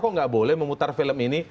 kok nggak boleh memutar film ini